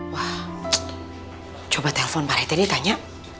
wah coba telfon pak retedi tanya